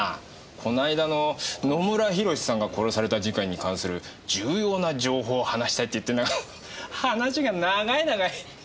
この間の野村弘さんが殺された事件に関する重要な情報を話したいって言ってんだが話が長い長い！